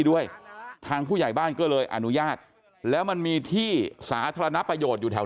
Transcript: ด้วยทางผู้ใหญ่บ้านก็เลยอนุญาตแล้วมันมีที่สาธารณประโยชน์อยู่แถว